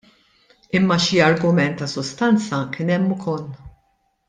Imma xi argument ta' sustanza kien hemm ukoll.